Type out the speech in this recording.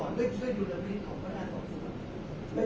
เรื่องช่วยดูแลแบบนี้ของประแนมต่อสินะ